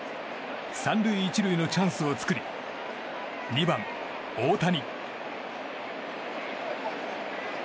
３塁１塁のチャンスを作り２番、大谷。